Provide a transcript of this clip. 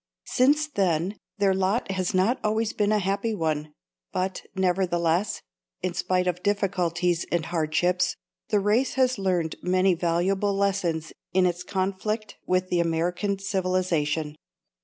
Since then their lot has not always been a happy one, but nevertheless, in spite of difficulties and hardships, the race has learned many valuable lessons in its conflict with the American civilization.